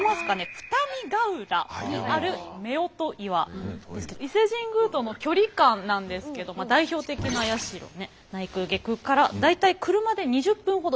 二見浦にある夫婦岩ですけど伊勢神宮との距離感なんですけど代表的な社内宮外宮から大体車で２０分ほど。